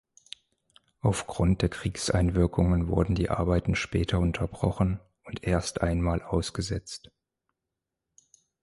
Aufgrund der Kriegseinwirkungen wurden die Arbeiten später unterbrochen und erst einmal ausgesetzt.